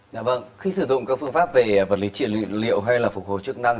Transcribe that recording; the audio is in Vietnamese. dạ vâng khi sử dụng các phương pháp về vật lý trị liệu hay là phù hợp chức năng